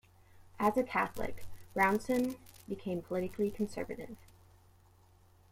As a Catholic, Brownson became politically conservative.